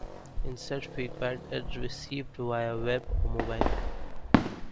Instant feedback is received via Web or mobile.